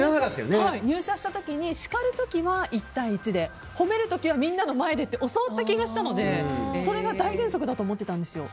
入社した時に叱る時は１対１で褒める時はみんなの前でって教わった気がしたので、それが大原則だと思ってたんですよ。